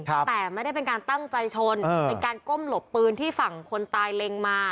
แต่ไม่ได้เป็นการตั้งใจชนเป็นการก้มหลบปืนที่ฝั่งคนตายเล็งมา